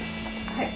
はい。